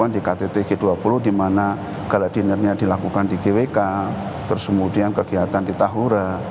di ktt g dua puluh di mana gala dinnernya dilakukan di gwk terus kemudian kegiatan di tahura